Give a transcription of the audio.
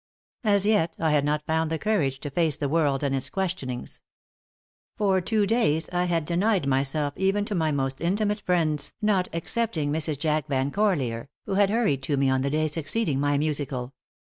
As yet, I had not found the courage to face the world and its questionings. For two days, I had denied myself to even my most intimate friends, not excepting Mrs. Jack Van Corlear, who had hurried to me on the day succeeding my musical.